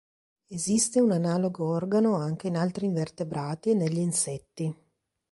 Esiste un analogo organo anche in altri invertebrati e negli insetti.